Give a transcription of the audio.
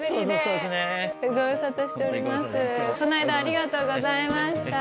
この間ありがとうございました。